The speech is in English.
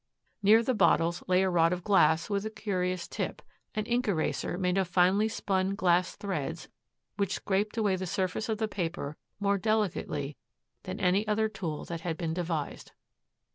Near the bottles lay a rod of glass with a curious tip, an ink eraser made of finely spun glass threads which scraped away the surface of the paper more delicately than any other tool that had been devised.